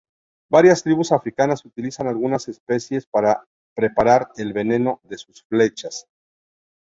Varias tribus africanas utilizan algunas especies para preparar el veneno de sus flechas.